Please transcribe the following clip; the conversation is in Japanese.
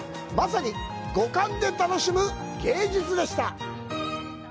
まさに、五感で楽しむ芸術でした。